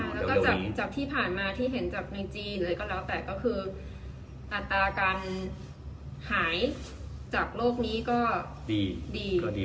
แล้วก็จากที่ผ่านมาที่เห็นจากเมืองจีนหรืออะไรก็แล้วแต่ก็คืออัตราการหายจากโรคนี้ก็ดี